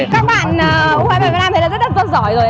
các bạn u hai mươi ba việt nam thấy rất là vô giỏi rồi